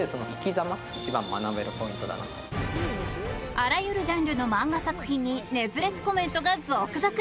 あらゆるジャンルの漫画作品に熱烈コメントが続々。